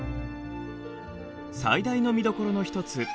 最大の見どころの一つ